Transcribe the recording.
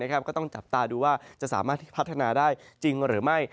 ก็ต้องจับตาดูว่าจะสามารถที่พัฒนาได้จริงหรือไม่